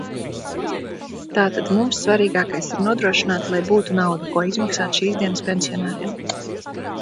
Tātad mums svarīgākais ir nodrošināt, lai būtu nauda, ko izmaksāt šīsdienas pensionāriem.